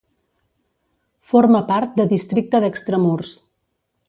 Forma part de districte d'Extramurs.